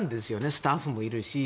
スタッフもいるし。